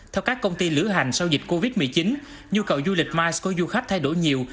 theo các công ty lửa hành sau dịch covid một mươi chín nhu cầu du lịch mice của du khách thay đổi nhiều